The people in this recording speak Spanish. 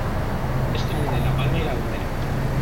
Es común en La Palma y La Gomera.